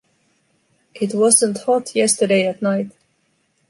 It’s wasn’t hot yesterday at night.